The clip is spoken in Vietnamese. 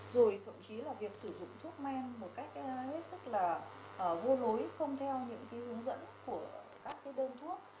rồi thậm chí là việc sử dụng thuốc men một cách rất là vô lối không theo những cái hướng dẫn của các cái đơn thuốc